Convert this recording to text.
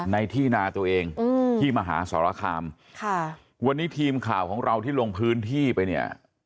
ในที่นาตัวเองอืมที่มหาสรคามค่ะวันนี้ทีมข่าวของเราที่ลงพื้นที่ไปเนี่ย